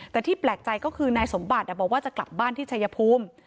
แต่ที่แปลกใจก็คือนายสมบัติบอกว่าจะกลับบ้านที่ชายภูมิ